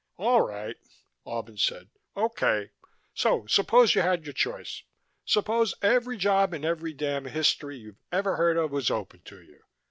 "All right," Albin said. "Okay. So suppose you had your choice. Suppose every job in every damn history you've ever heard of was open to you.